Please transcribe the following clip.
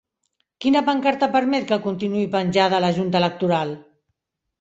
Quina pancarta permet que continuï penjada la junta electoral?